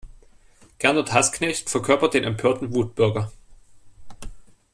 Gernot Hassknecht verkörpert den empörten Wutbürger.